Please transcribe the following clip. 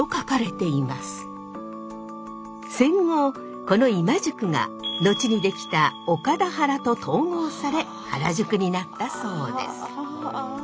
戦後この今宿が後にできた岡田原と統合され原宿になったそうです。